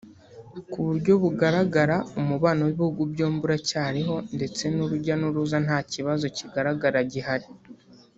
Ku buryo bugaragara umubano w’ibihugu byombi uracyariho ndetse n’urujya n’uruza nta kibazo kigaragara gihari